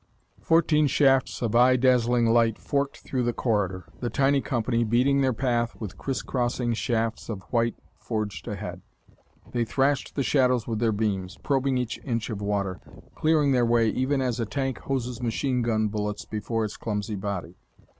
Fourteen shafts of eye dazzling light forked through the corridor. The tiny company, beating their path with criss crossing shafts of white, forged ahead. They thrashed the shadows with their beams, probing each inch of water clearing their way even as a tank hoses machine gun bullets before its clumsy body.